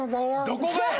どこがや！